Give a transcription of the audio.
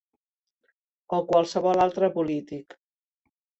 O qualsevol altre polític.